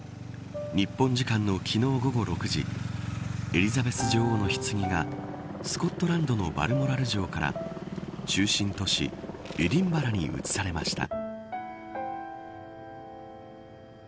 日本時間の昨日午後６時エリザベス女王のひつぎがスコットランドのバルモラル城から中心都市、エディンバラに移されました。